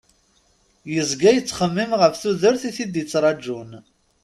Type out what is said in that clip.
Yezga yettxemmim ɣef tudert i t-id-ittrajun.